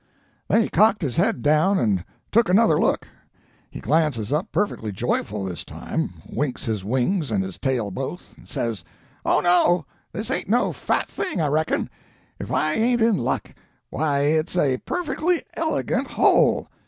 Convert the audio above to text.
"Then he cocked his head down and took another look; he glances up perfectly joyful, this time; winks his wings and his tail both, and says, 'Oh, no, this ain't no fat thing, I reckon! If I ain't in luck! Why it's a perfectly elegant hole!'